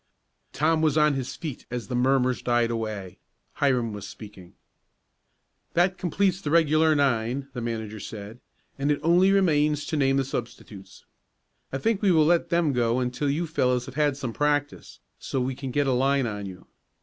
Tom was on his feet as the murmurs died away. Hiram was speaking. "That completes the regular nine," the manager said, "and it only remains to name the substitutes. I think we will let them go until you fellows have had some practice, so we can get a line on you.